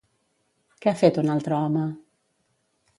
Què ha fet un altre home?